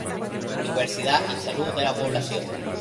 Universidad y Salud de la Población.